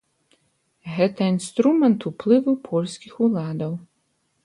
Гэта інструмент уплыву польскіх уладаў.